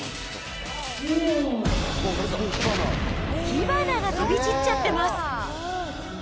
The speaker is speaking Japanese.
火花が飛び散っちゃってます。